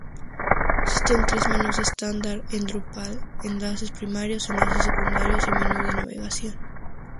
Existen tres menús estándar en Drupal: Enlaces primarios, Enlaces secundarios y Menú de navegación.